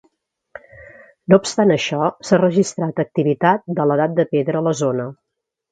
No obstant això, s'ha registrat activitat de l'edat de pedra a la zona.